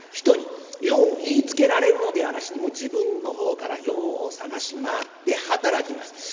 人によう言いつけられるのではなしに自分の方からよう探し回って働きます。